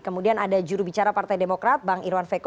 kemudian ada juru bicara partai demokrat bang irwan feko